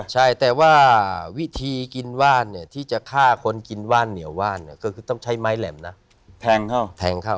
ใช่แต่ว่าวิธีกินว่านเนี่ยที่จะฆ่าคนกินว่านเหนียวว่านก็คือต้องใช้ไม้แหลมนะแทงเข้าแทงเข้า